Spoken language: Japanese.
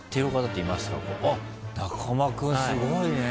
中間君すごいね。